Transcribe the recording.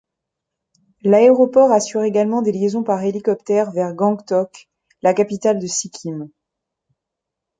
L'aéroport assure également des liaisons par hélicoptère vers Gangtok, la capitale de Sikkim.